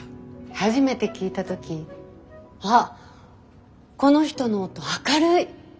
初めて聴いた時「あっこの人の音明るい！